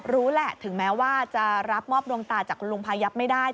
รู้แหละถึงแม้ว่าจะรับมอบดวงตาจากคุณลุงพายับไม่ได้